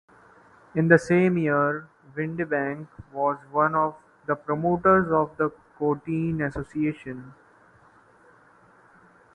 In the same year Windebank was one of the promoters of the Courteen association.